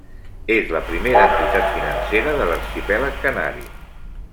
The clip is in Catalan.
És la primera entitat financera de l'Arxipèlag Canari.